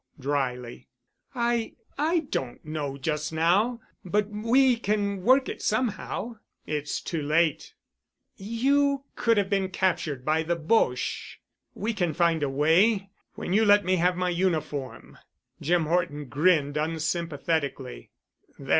dryly. "I—I don't know just now, but we can work it somehow——" "It's too late——" "You could have been captured by the Boches. We can find a way, when you let me have my uniform." Jim Horton grinned unsympathetically.